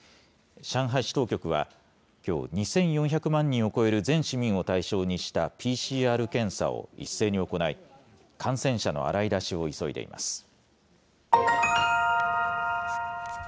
上海市当局は、きょう、２４００万人を超える全市民を対象にしたＰＣＲ検査を一斉に行い、感染者の洗い出しを急いでいます。